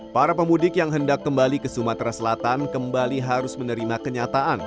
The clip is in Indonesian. para pemudik yang hendak kembali ke sumatera selatan kembali harus menerima kenyataan